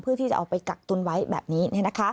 เพื่อที่จะเอาไปกักตุนไว้แบบนี้